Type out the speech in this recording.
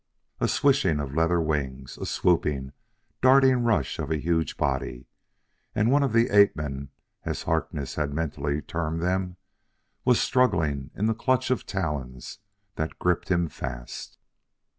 A swishing of leather wings! a swooping, darting rush of a huge body! and one of the ape men, as Harkness had mentally termed them, was struggling in the clutch of talons that gripped him fast.